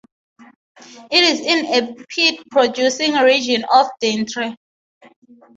It is in a peat-producing region of Drenthe.